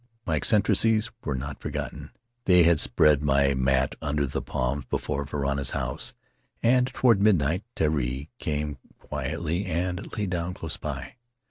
My eccentricities were not forgotten; they had spread my mat under the palms before Varana's house, and toward midnight Terii came quietly and lay down close by.